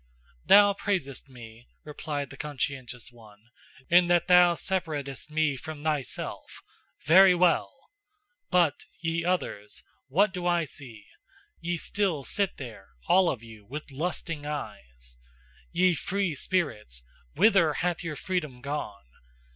"Thou praisest me," replied the conscientious one, "in that thou separatest me from thyself; very well! But, ye others, what do I see? Ye still sit there, all of you, with lusting eyes : Ye free spirits, whither hath your freedom gone!